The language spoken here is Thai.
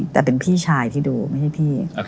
แต่เป็นพี่ชายที่ดูไม่ใช่พี่